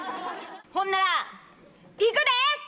ほんならいくで！